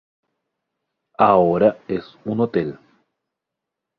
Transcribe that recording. Ahora es un hotel.